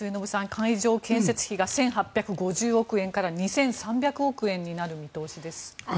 会場建設費が１８５０億円から２３００億円になる見通しです。